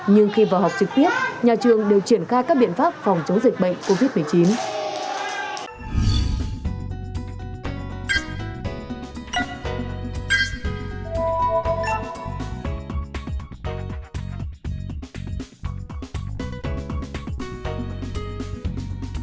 nhưng khi vào học trực tiếp nhà trường đều triển khai các biện pháp phòng chống dịch bệnh covid một mươi chín